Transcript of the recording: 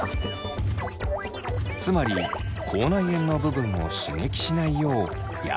つまり口内炎の部分を刺激しないようやさしく。